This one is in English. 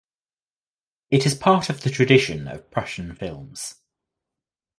It is part of the tradition of Prussian films.